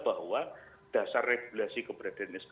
bahwa dasar regulasi keberadaan